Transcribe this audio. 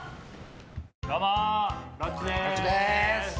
どうも、ロッチです。